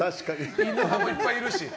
犬派もいっぱいいるし。